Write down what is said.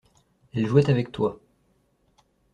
Elle jouait avec toi.